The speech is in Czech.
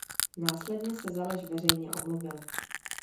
Následně se za lež veřejně omluvil.